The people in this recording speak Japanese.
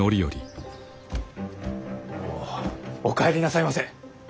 お帰りなさいませ。